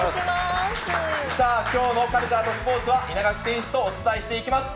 さあ、きょうのカルチャーとスポーツは、稲垣選手とお伝えしていきます。